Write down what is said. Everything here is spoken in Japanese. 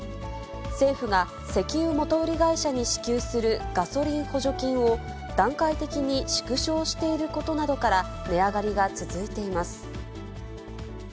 政府が石油元売り会社に支給するガソリン補助金を段階的に縮小していることなどから値上がりが続いています。